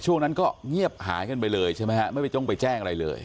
ช่วงนั้นก็เงียบหายกันไปเลยใช่ไหมฮะไม่ไปจ้องไปแจ้งอะไรเลย